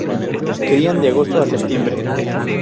Crían de agosto a septiembre.